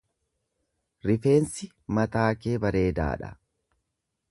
Rifeensi mataa kee bareedaa dha.